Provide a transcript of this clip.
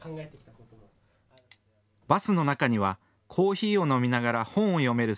バスの中にはコーヒーを飲みながら本を読める